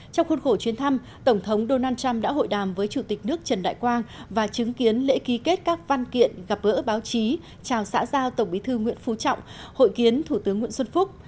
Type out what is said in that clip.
trong khuôn khổ chuyến thăm tổng thống donald trump đã hội đàm với chủ tịch nước trần đại quang và chứng kiến lễ ký kết các văn kiện gặp gỡ báo chí chào xã giao tổng bí thư nguyễn phú trọng hội kiến thủ tướng nguyễn xuân phúc